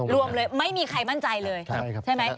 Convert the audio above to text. รวมเลยไม่มีใครมั่นใจเลยใช่ไหม